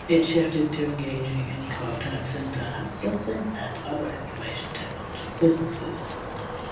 It shifted to engaging in contact center outsourcing and other information technology businesses.